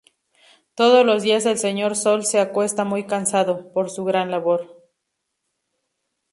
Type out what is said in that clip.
Todos los días el Señor Sol se acuesta muy cansado, por su gran labor.